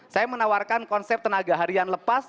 saya menawarkan konsep tenaga harian lepas